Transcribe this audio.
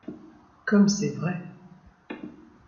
Comme c’est vrai !